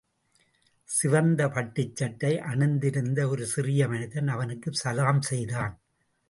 சிவந்த பட்டுச்சட்டை அணிந்திருந்த ஒரு சிறிய மனிதன் அவனுக்கு சலாம் செய்தான்.